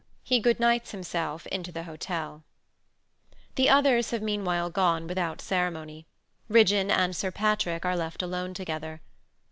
[He good nights himself into the hotel]. The others have meanwhile gone without ceremony. Ridgeon and Sir Patrick are left alone together.